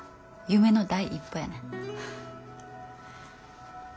夢の第一歩やな。